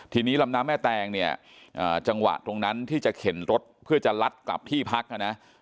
ทีนี้ลำน้ำแม่แตงเนี่ยจังหวะตรงนั้นที่จะเข็นรถเพื่อจะลัดกลับที่พักนะ